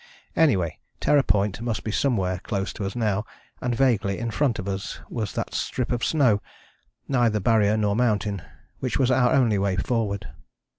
Anyway, Terror Point must be somewhere close to us now, and vaguely in front of us was that strip of snow, neither Barrier nor mountain, which was our only way forward.